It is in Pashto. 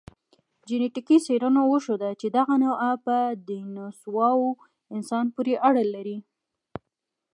جنټیکي څېړنو وښوده، چې دا نوعه په دنیسووا انسان پورې اړه لري.